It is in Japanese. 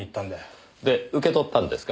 で受け取ったんですか？